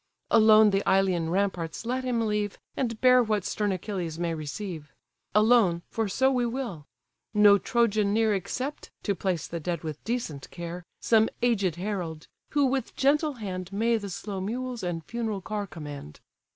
Alone the Ilian ramparts let him leave, And bear what stern Achilles may receive: Alone, for so we will; no Trojan near Except, to place the dead with decent care, Some aged herald, who with gentle hand May the slow mules and funeral car command.